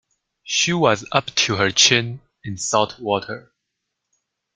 She was up to her chin in salt water.